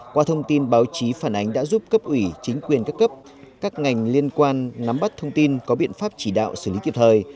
qua thông tin báo chí phản ánh đã giúp cấp ủy chính quyền các cấp các ngành liên quan nắm bắt thông tin có biện pháp chỉ đạo xử lý kịp thời